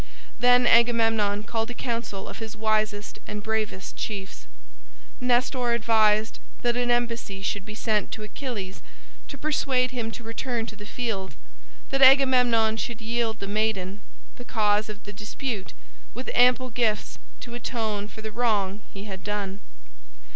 Then Agamemnon called a council of his wisest and bravest chiefs. Nestor advised that an embassy should be sent to Achilles to persuade him to return to the field; that Agamemnon should yield the maiden, the cause of the dispute, with ample gifts to atone for the wrong he had done.